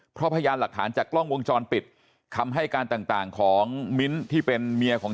เพราะพยานหลักฐานจากกล้องวงจรปิดคำให้การต่างของมิ้นที่เป็นเมียของ